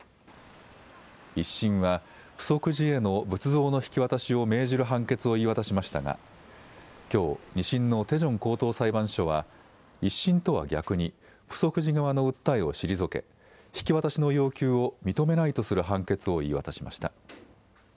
１審はプソク寺への仏像の引き渡しを命じる判決を言い渡しましたがきょう２審のテジョン高等裁判所は１審とは逆にプソク寺側の訴えを退け引き渡しの要求を認めないとする判決を言い渡しました。